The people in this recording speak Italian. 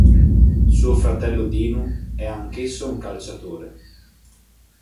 Suo fratello Dinu è anch'esso un calciatore.